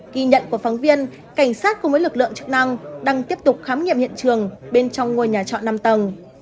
ghi nhận của phóng viên cảnh sát cùng với lực lượng chức năng đang tiếp tục khám nghiệm hiện trường bên trong ngôi nhà trọ năm tầng